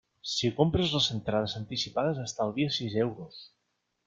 Si compres les entrades anticipades estalvies sis euros.